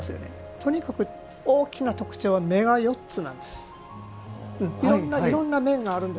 とにかく大きな特徴は目が４つなんです。